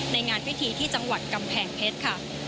ในงานพิธีที่จังหวัดกำแพงเพชรค่ะ